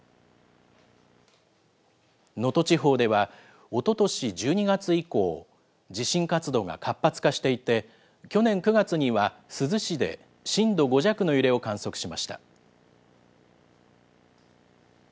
能登地方ではおととし１２月以降、地震活動が活発化していて、去年９月には、珠洲市で震度５弱の揺れを観測しました。